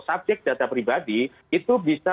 subjek data pribadi itu bisa